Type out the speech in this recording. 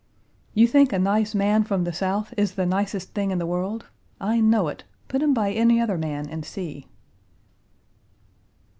"You think a nice man from the South is the nicest thing in the world? I know it. Put him by any other man and see!"